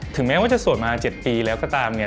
แม้ว่าจะสวดมา๗ปีแล้วก็ตามเนี่ย